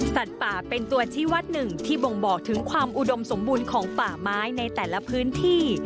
สัตว์ป่าเป็นตัวชีวัตรหนึ่งที่บ่งบอกถึงความอุดมสมบูรณ์ของป่าไม้ในแต่ละพื้นที่